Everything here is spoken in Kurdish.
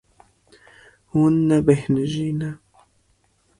Hûn nebêhnijî ne.